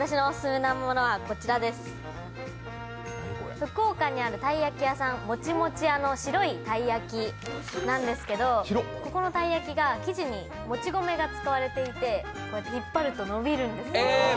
福岡にあるたい焼きやさん、もちもち屋さんの白いたい焼きなんですけど、ここのたい焼き生地に餅米が使われてて、引っ張ると伸びるんですよ。